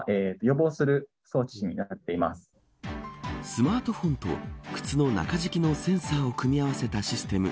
スマートフォンと靴の中敷きのセンサーを組み合わせたシステム